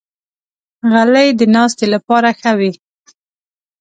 غلۍ د ناستې لپاره ښه وي.